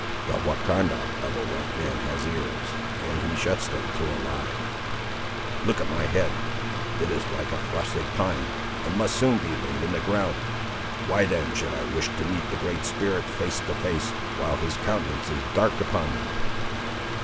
"The Wahcondah of a white man has ears, and he shuts them to a lie. Look at my head; it is like a frosted pine, and must soon be laid in the ground. Why then should I wish to meet the Great Spirit, face to face, while his countenance is dark upon me."